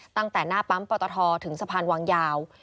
ตั้งแต่หน้าปั๊มปตทถึงสะพานวางยาว